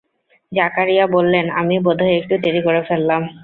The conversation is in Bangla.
জাকারিয়া বললেন, আমি বোধহয় একটু দেরি করে ফেললাম।